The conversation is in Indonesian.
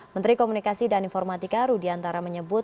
menteri komunikasi dan informatika rudiantara menyebut